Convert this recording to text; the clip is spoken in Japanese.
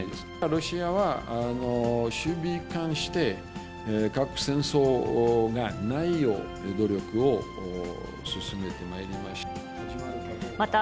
ロシアは首尾一貫して、核戦争がないよう努力を進めてまいります。